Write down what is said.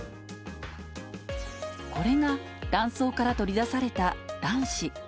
これが卵巣から採り出された卵子。